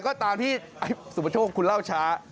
ก็ตามที่สุประโชคคุณเล่าช้า